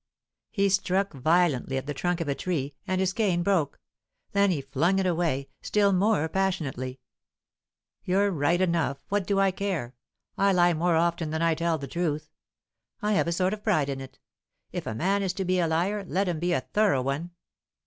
He struck violently at the trunk of a tree, and his cane broke; then he flung it away, still more passionately. "You're right enough. What do I care? I lie more often than I tell the truth. I have a sort of pride in it. If a man is to be a liar, let him be a thorough one.